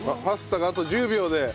パスタがあと１０秒で。